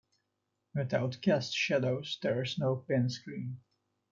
Without cast shadows there is no pinscreen.